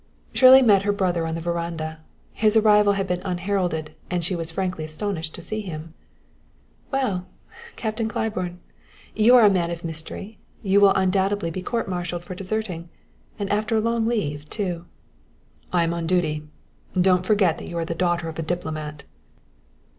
Shirley met her brother on the veranda. His arrival had been unheralded and she was frankly astonished to see him. "Well, Captain Claiborne, you are a man of mystery. You will undoubtedly be court martialed for deserting and after a long leave, too." "I am on duty. Don't forget that you are the daughter of a diplomat."